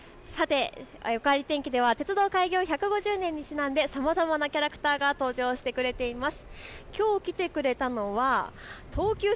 おかえり天気では鉄道開業１５０年にちなんでさまざまなキャラクターが登場してくれています。